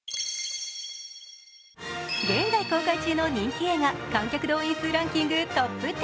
現在公開中の人気映画観客動員数ランキングトップ１０。